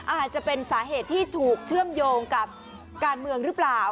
อาจจะเป็นสาเหตุที่ถูกเชื่อมโยงกับการเมืองหรือเปล่า